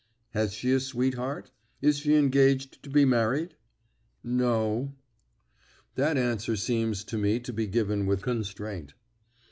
"Has she a sweetheart? Is she engaged to be married?" "No." "That answer seems to me to be given with constraint."